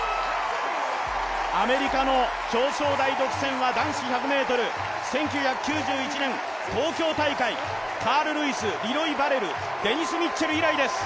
アメリカの表彰台独占は男子１００ｍ１９９１年、東京大会、カール・ルイス、リロイ・バレルデニス・ミッチェル以来です。